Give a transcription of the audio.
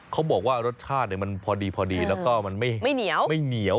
เขาบอกว่ารสชาติปกดีและก็ไม่เหนียว